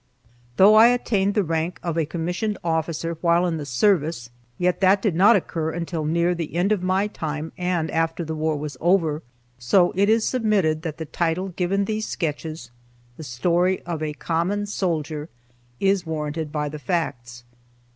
Though I attained the rank of a commissioned officer while in the service, yet that did not occur until near the end of my time, and after the war was over. So it is submitted that the title given these sketches, "The Story of a Common Soldier," is warranted by the facts.